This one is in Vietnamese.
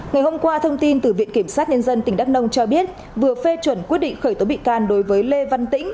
ngày hôm qua thông tin từ viện kiểm sát nhân dân tỉnh đắk nông cho biết vừa phê chuẩn quyết định khởi tố bị can đối với lê văn tĩnh